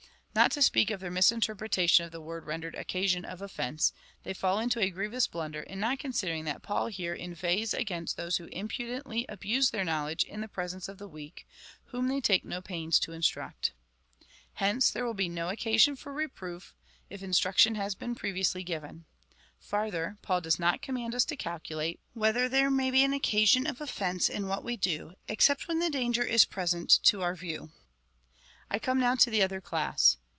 Not to speak of their misinterpre tation of the word rendered occasion of offence, they fall into a grievous blunder in not considering that Paul here inveighs against those who impudently abuse their knowledge in the presence of the weak, whom they take no pains to instruct. 286 COMMENTARY ON THE CHAP. VIII. 13. Hence there will be no occasion for reproof, if instruction has been previously given. Farther, Paul does not command us to calculate, whether there may be an occasion of offence in what we do, except when the danger is present to our view. I come now to the other class.